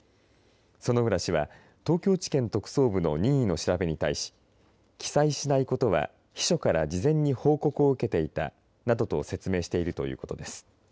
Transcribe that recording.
薗浦氏は東京地検特捜部の任意の調べに対し記載しないことは秘書から事前に報告を受けていたなどと説明しているということです。